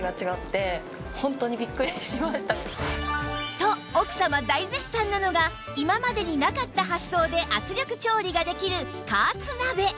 と奥様大絶賛なのが今までになかった発想で圧力調理ができる加圧鍋